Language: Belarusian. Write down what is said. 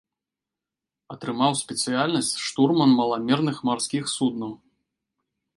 Атрымаў спецыяльнасць штурман маламерных марскіх суднаў.